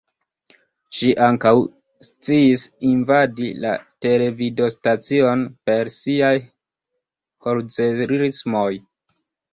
Ŝi ankaŭ sciis invadi la televidostacion per siaj "'Holzerismoj"'.